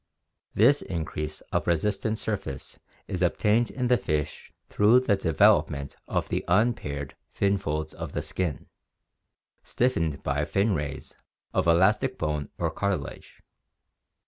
This increase of resistant surface is obtained in the fish through the development of the unpaired fin folds of the skin, stiffened by fin rays of elastic bone or cartilage.